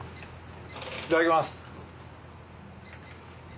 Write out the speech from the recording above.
いただきます！